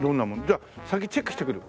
じゃあ先チェックしてくる。